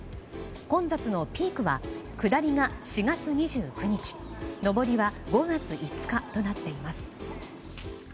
混雑のピークは下りが４月２９日上りは５月５日となっています。